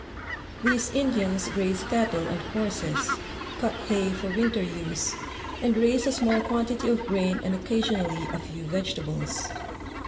These Indians graze cattle and horses» cut hay for winter use, and raise a small quantity of grain and occasionally a few vegetables.